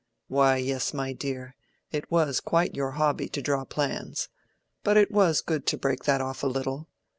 "Why, yes, my dear, it was quite your hobby to draw plans. But it was good to break that off a little.